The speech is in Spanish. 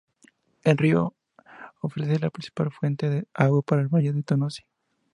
El río ofrece la principal fuente de agua para el valle de Tonosí.